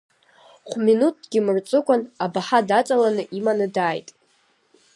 Хә-минуҭкгьы мырҵыкәан, абаҳа даҵаланы иманы дааит.